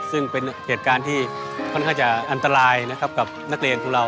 ซึ่งเป็นเหตุการณ์ที่ค่อนข้างจะอันตรายนะครับกับนักเรียนของเรา